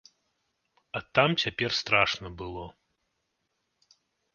А там цяпер страшна было.